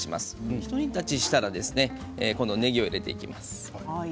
ひと煮立ちしたらねぎを入れていきます。